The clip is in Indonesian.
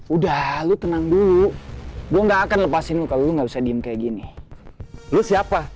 udah lu tenang dulu gua nggak akan lepasin lu kalau lu nggak usah diem kayak gini lu siapa